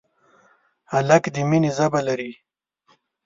هلک د مینې ژبه لري.